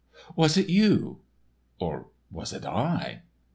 Was it you? or was it I?